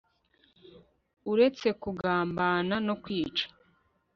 uretse kugambana no kwica